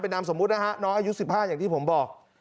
นามสมมุตินะฮะน้องอายุ๑๕อย่างที่ผมบอก